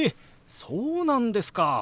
そうなんですか！